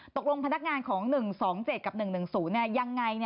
พนักงานของ๑๒๗กับ๑๑๐ยังไง